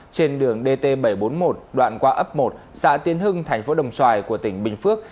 trên đường dt bảy trăm bốn mươi một đoạn qua ấp một xã tiến hưng tp đồng xoài của tỉnh bình phước